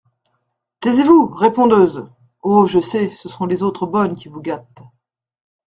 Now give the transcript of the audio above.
Taisez-vous, répondeuse !… Oh ! je sais, ce sont les autres bonnes qui vous gâtent.